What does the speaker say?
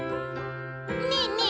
「ねえねえ